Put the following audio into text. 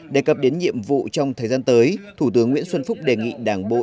đề cập đến nhiệm vụ trong thời gian tới thủ tướng nguyễn xuân phúc đề nghị đảng bộ